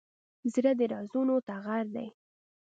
زړه د رازونو ټغر دی.